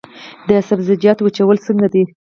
د سبزیجاتو وچول څنګه دي؟